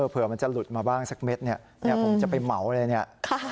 เผื่อมันจะหลุดมาบ้างสักเม็ดผมจะไปเหมาเลยนะ